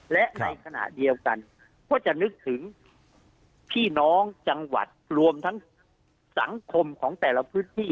และในขณะเดียวกันก็จะนึกถึงพี่น้องจังหวัดรวมทั้งสังคมของแต่ละพื้นที่